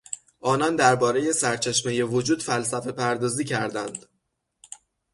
آنان دربارهی سرچشمهی وجود فلسفه پردازی کردند.